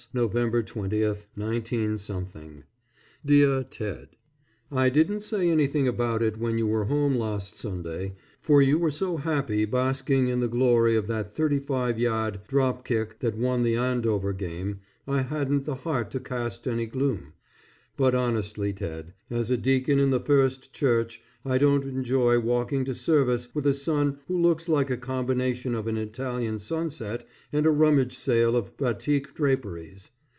_November 20, 19 _ DEAR TED: I didn't say anything about it when you were home last Sunday, for you were so happy basking in the glory of that thirty five yard drop kick that won the Andover game I hadn't the heart to cast any gloom, but honestly Ted, as a deacon in the First Church I don't enjoy walking to service with a son who looks like a combination of an Italian sunset and a rummage sale of Batik draperies.